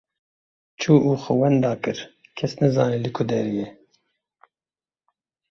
Çû û xwe wenda kir, kes nizane li ku derê ye.